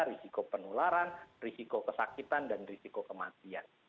risiko penularan risiko kesakitan dan risiko kematian